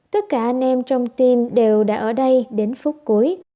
tất cả anh em trong tim đều đã ở đây đến phút cuối